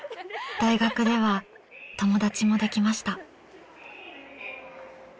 大学では友達もできました。